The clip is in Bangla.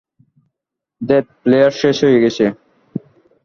ধ্যাত, ফ্লেয়ার শেষ হয়ে গেছে!